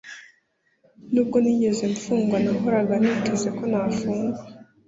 nubwo ntigeze mfungwa nahoraga niteze ko nafungwa.